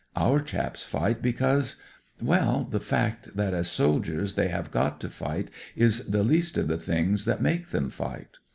Our chaps fight because — well, the fact that as soldiers they have got to fight is the least of the things that make them fight.